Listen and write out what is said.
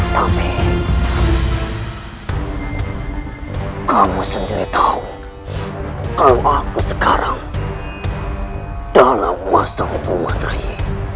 tapi kamu sendiri tahu kalau aku sekarang dalam wawasan hubungan raya